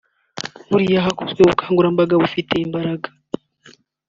Buriya hakozwe ubukangurambaga bufite imbaraga